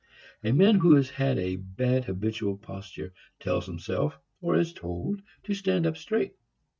A man who has a bad habitual posture tells himself, or is told, to stand up straight.